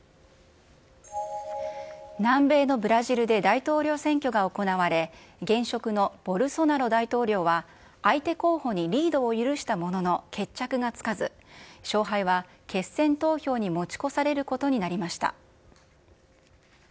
南米のブラジルで、大統領選挙が行われ、現職のボルソナロ大統領は、相手候補にリードを許したものの、決着がつかず、勝敗は決選投票に持ち越されることになりました。